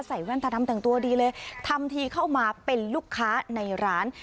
แว่นตาดำแต่งตัวดีเลยทำทีเข้ามาเป็นลูกค้าในร้าน